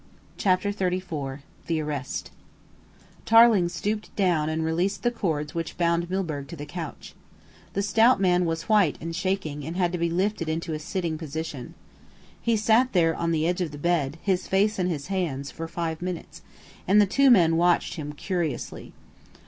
CHAPTER XXXIV THE ARREST Tarling stooped down and released the cords which bound Milburgh to the couch. The stout man was white and shaking, and had to be lifted into a sitting position. He sat there on the edge of the bed, his face in his hands, for five minutes, and the two men watched him curiously.